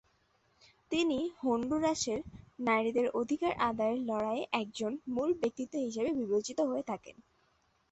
তিনি হন্ডুরাসের নারীদের অধিকার আদায়ের লড়াইয়ের একজন মূল ব্যক্তিত্ব হিসাবে বিবেচিত হয়ে থাকেন।